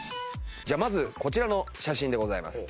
じゃあまずこちらの写真でございます。